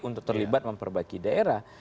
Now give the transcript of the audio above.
untuk terlibat memperbaiki daerah